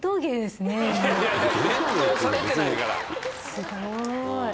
すごい。